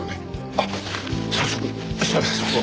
あっ早速調べさせます。